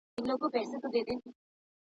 ماشوم ته د شخصي حفظ الصحې اصول ور زده کړئ.